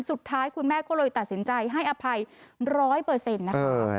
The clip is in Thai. สุดท้ายคุณแม่ก็คุณต้องตัดสินใจให้อภัยร้อยเปอร์เซ็นต์